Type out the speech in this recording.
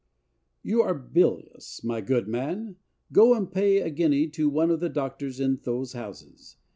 You are bilious, my good man. Go and pay a guinea to one of the doctors in those houses....